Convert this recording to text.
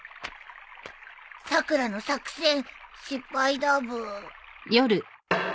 さくらの作戦失敗だブー